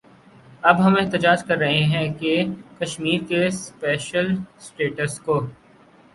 اب ہم احتجاج کر رہے ہیں کہ کشمیر کے سپیشل سٹیٹس کو